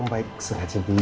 ini buat rena semua